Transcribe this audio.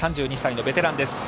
３２歳のベテラン。